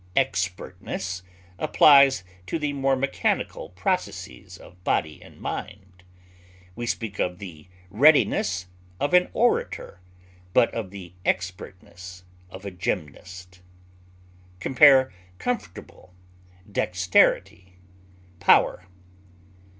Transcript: Expertness applies to the more mechanical processes of body and mind; we speak of the readiness of an orator, but of the expertness of a gymnast. Compare COMFORTABLE; DEXTERITY; POWER.